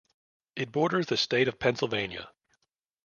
It borders the state of Pennsylvania.